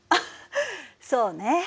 そうね。